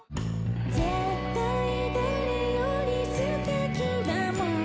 「絶対誰より素敵だもん」